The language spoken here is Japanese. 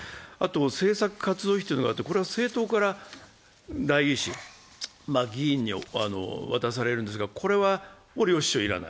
政策活動費というのがあって、これは政党から代議士、議員に渡されるんですが、これも領収書は要らない。